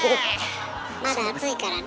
まだ暑いからね。